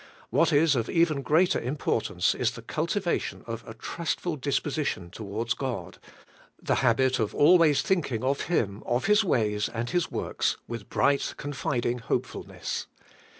What is of even greater importance is the cultivation of a trustful disposition towards God, the habit of always thinking of Him, of His ways and His works, with bright confiding hopefulness.